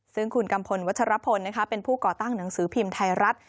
ซึ่งคุณกัมพลวัชรพลเป็นผู้ก่อตั้งหนังสือพิมพ์ไทยรัฐ